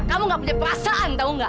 kamu nggak punya perasaan tahu nggak